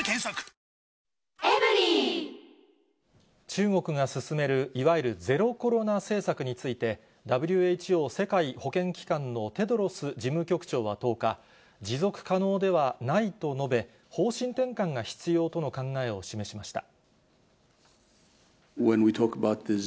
中国が進めるいわゆるゼロコロナ政策について、ＷＨＯ・世界保健機関のテドロス事務局長は１０日、持続可能ではないと述べ、方針転換が必要との考えを示しました。